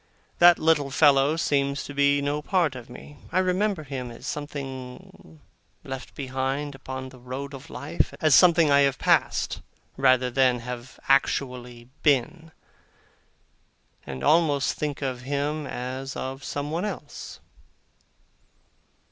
That little fellow seems to be no part of me; I remember him as something left behind upon the road of life as something I have passed, rather than have actually been and almost think of him as of someone else.